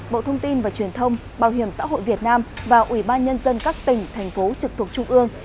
bộ thông tin và truyền thông bảo hiểm xã hội việt nam và ủy ban nhân dân các tỉnh thành phố trực thuộc trung ương